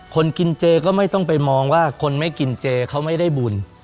คนกินเจก็ไม่ต้องไปมองว่าคนไม่กินเจเขาไม่ได้บุญ